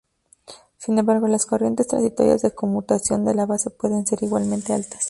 Sin embargo las corrientes transitorias de conmutación de la base pueden ser igualmente altas.